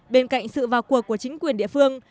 bên cạnh sự vào cuộc của chính quyền địa phương